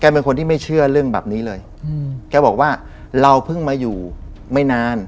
เป็นคนที่ไม่เชื่อเรื่องแบบนี้เลยแกบอกว่าเราเพิ่งมาอยู่ไม่นาน